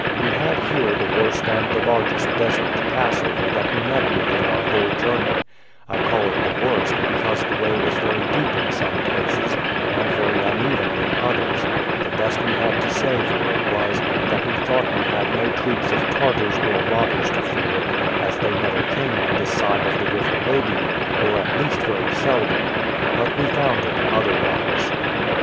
We had here the worst and the largest desert to pass over that we met with in our whole journey; I call it the worst, because the way was very deep in some places, and very uneven in others; the best we had to say for it was, that we thought we had no troops of Tartars or robbers to fear, as they never came on this side of the river Oby, or at least very seldom; but we found it otherwise.